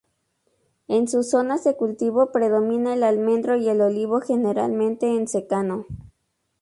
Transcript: En sus zonas de cultivo predomina el almendro y el olivo generalmente en secano.